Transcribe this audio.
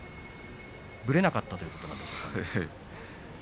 ぶれなかったということですか。